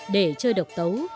để chơi độc tấu